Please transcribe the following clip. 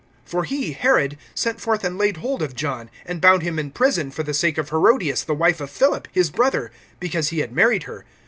(17)For he, Herod, sent forth and laid hold of John, and bound him in prison, for the sake of Herodias the wife of Philip, his brother; because he had married her.